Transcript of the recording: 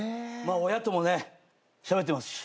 親ともねしゃべってますし。